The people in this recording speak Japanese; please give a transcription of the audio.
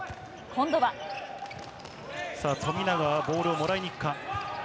さあ、富永はボールをもらいに行くか。